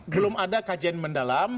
belum ada kajian mendalam